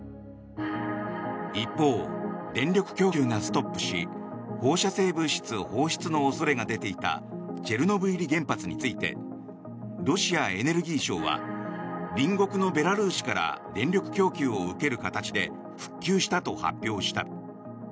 一方、電力供給がストップし放射性物質放出の恐れが出ていたチェルノブイリ原発についてロシアエネルギー省は隣国のベラルーシから電力供給を受ける形で復旧したと発表した。